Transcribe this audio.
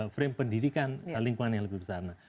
frame pendidikan lingkungan yang lebih besar